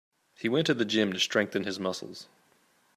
He went to gym to strengthen his muscles.